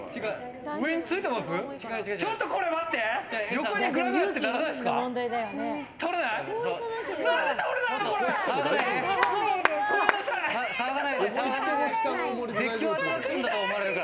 横にグラグラってならないですか。